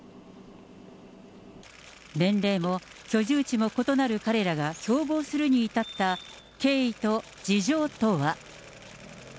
年齢も居住地も異なる彼らが共謀するに至った経緯と事情とは。